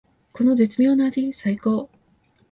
この絶妙な味さいこー！